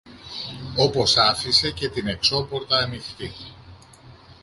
Όπως άφησε και την εξώπορτα ανοιχτή